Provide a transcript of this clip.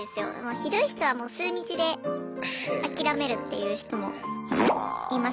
ひどい人はもう数日で諦めるっていう人もいます。